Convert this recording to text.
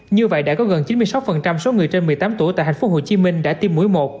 như vậy đã có gần chín mươi sáu số người trên một mươi tám tuổi tại thành phố hồ chí minh đã tiêm mũi một